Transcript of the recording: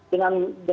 dengan sekitar kita